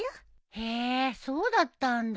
へえそうだったんだ。